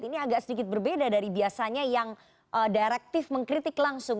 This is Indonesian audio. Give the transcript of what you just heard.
ini agak sedikit berbeda dari biasanya yang direktif mengkritik langsung